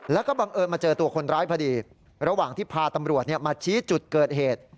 แล้วก็บังเอิญมาเจอตัวคนร้ายพอดีระหว่างที่พาตำรวจมาชี้จุดเกิดเหตุ